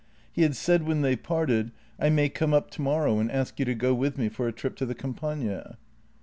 He had said when they parted :" I may come up tomorrow and ask you to go with me for a trip in the Campagna?